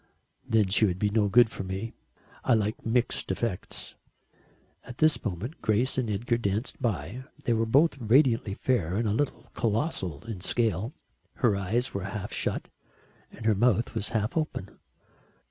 "Then she would be no good to me. I like mixed effects." At this moment Grace and Edgar danced by. They were both radiantly fair and a little colossal in scale. Her eyes were half shut and her mouth was half open.